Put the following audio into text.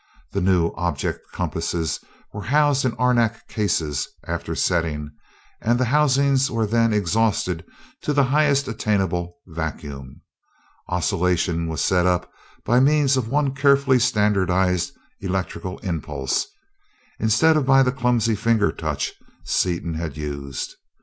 The new object compasses were housed in arenak cases after setting, and the housings were then exhausted to the highest attainable vacuum. Oscillation was set up by means of one carefully standardized electrical impulse, instead of by the clumsy finger touch Seaton had used.